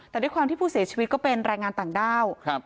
แต่ด้วยความที่ผู้เสียชีวิตก็เป็นแรงงานต่างด้าวครับ